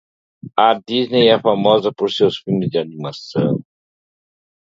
A Disney é famosa por seus filmes de animação.